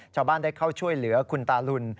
ชาวบ้านได้เข้าช่วยเหลือคุณตาลุน